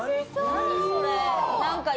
何それ。